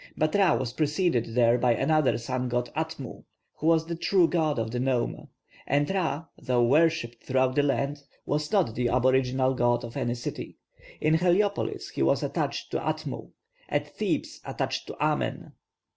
But Ra was preceded there by another sun god Atmu, who was the true god of the nome; and Ra, though worshipped throughout the land, was not the aboriginal god of any city. In Heliopolis he was attached to Atmu, at Thebes attached to Amen.